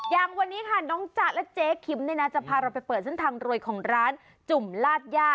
อย่างวันนี้ค่ะน้องจ๊ะและเจ๊คิมเนี่ยนะจะพาเราไปเปิดเส้นทางรวยของร้านจุ่มลาดย่า